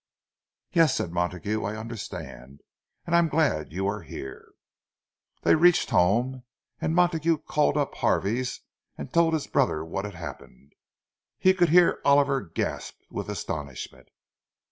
"Yes," said Montague, "I understand. And I'm glad you are here." They reached home, and Montague called up Harvey's and told his brother what had happened. He could hear Oliver gasp with astonishment.